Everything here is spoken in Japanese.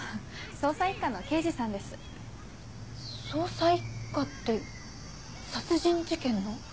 捜査一課って殺人事件の？